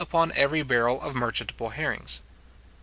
upon every barrel of merchantable herrings.